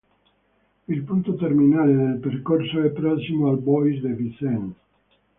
Il punto terminale del percorso è prossimo al Bois de Vincennes.